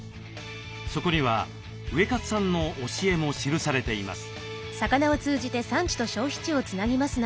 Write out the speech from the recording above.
そこにはウエカツさんの教えも記されています。